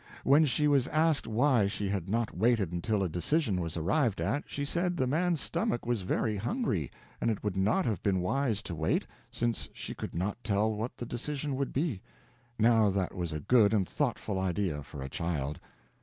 When she was asked why she had not waited until a decision was arrived at, she said the man's stomach was very hungry, and it would not have been wise to wait, since she could not tell what the decision would be. Now that was a good and thoughtful idea for a child.